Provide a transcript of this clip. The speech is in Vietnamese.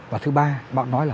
và thứ ba bác nói là